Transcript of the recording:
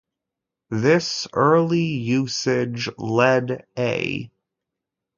This early usage led A.